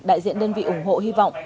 đại diện đơn vị ủng hộ hy vọng